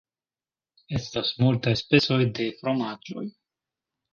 Estas multaj specoj de fromaĝoj.